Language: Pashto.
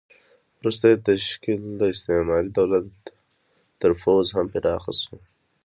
وروسته یې تشکیل د استعماري دولت تر پوځ هم پراخ شو.